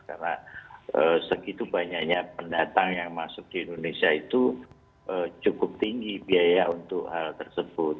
karena segitu banyaknya pendatang yang masuk di indonesia itu cukup tinggi biaya untuk hal tersebut